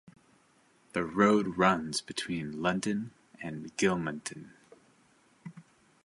The road runs between Loudon and Gilmanton.